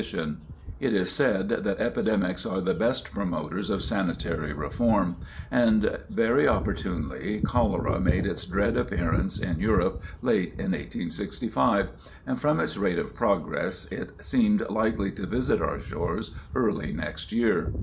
[Sidenote: Triumph at Last] It is said that epidemics are the best promoters of sanitary reform, and very opportunely cholera made its dread appearance in Europe late in 1865, and from its rate of progress it seemed likely to visit our shores early next year.